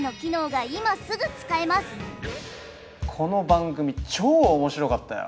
この番組超面白かったよ！